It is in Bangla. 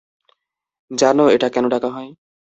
জানো এটা কেন ডাকা হয়?